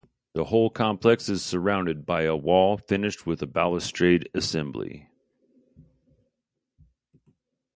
The whole complex is surrounded by a wall finished with a balustrade assembly.